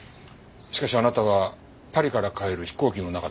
しかしあなたはパリから帰る飛行機の中だった。